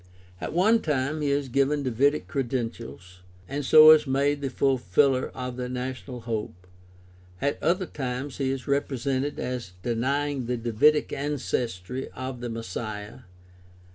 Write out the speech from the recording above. At one time he is given Davidic credentials, and so is made the fulfiller of the national hope (cf. Luke 2:11). At other times he is represented as denying the Davidic ancestry of the Messiah (Mark 12:35 37), ^.